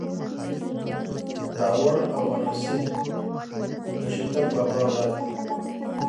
داوړ او بنوڅي ده شيتک بابا اولاد دې.